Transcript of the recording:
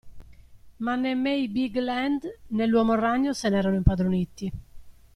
Ma né May Bigland, né l'uomo ragno se ne erano impadroniti.